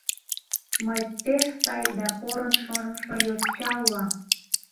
Мый п-п-пеш сай да порын шонышо йоч-ч-ча улам...